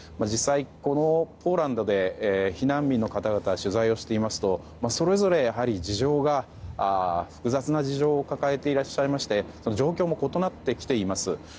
実際、ポーランドで避難民の方々取材をしていますとそれぞれ事情が複雑な事情を抱えていらっしゃいまして状況も異なってきています。